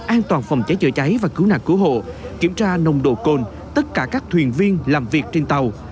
an toàn phòng cháy chữa cháy và cứu nạn cứu hộ kiểm tra nồng độ cồn tất cả các thuyền viên làm việc trên tàu